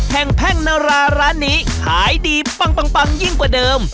แพ่งนาราร้านนี้ขายดีปังยิ่งกว่าเดิม